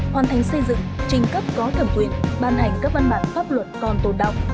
hoàn thành xây dựng trình cấp có thẩm quyền ban hành các văn bản pháp luật còn tồn động